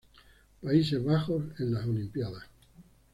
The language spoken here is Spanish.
Países Bajos en las Olimpíadas